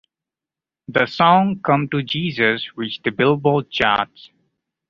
The song "Come to Jesus" reached the "Billboard" charts.